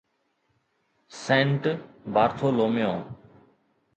saint Bartholomew